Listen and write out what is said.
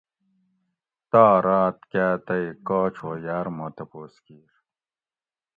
تاہ راۤت کاۤ تئ کاچ ہو یاۤر ما تپوس کِیر